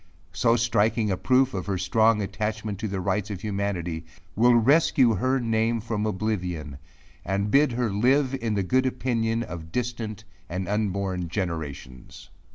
So striking a proof of her strong attachment to the rights of humanity, will rescue her name from oblivion, and bid her live in the good opinion of distant and unborn generations.